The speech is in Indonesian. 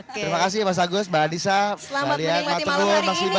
terima kasih mas agus mbak nisa mbak alia mbak turun mas iba